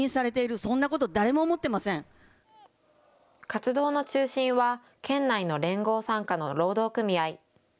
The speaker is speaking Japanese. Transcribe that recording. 活動の中心は県内の連合傘下の労働組合。